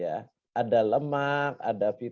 ada protein ada lemak ada makanan